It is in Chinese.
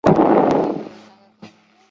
臀部有三个肛门。